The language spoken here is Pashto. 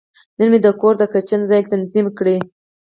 نن مې د کور د کچن ځای تنظیم کړ.